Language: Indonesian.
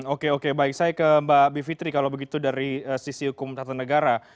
oke oke baik saya ke mbak bivitri kalau begitu dari sisi hukum tata negara